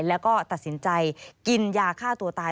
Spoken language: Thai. แล้วก็ตัดสินใจกินยาฆ่าตัวตาย